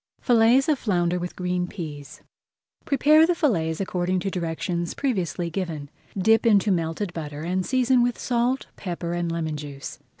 FILLETS OF FLOUNDER WITH GREEN PEAS Prepare the fillets according to directions previously given, dip into melted butter, and season with salt, pepper, and lemon juice.